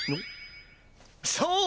そう！